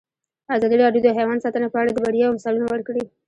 ازادي راډیو د حیوان ساتنه په اړه د بریاوو مثالونه ورکړي.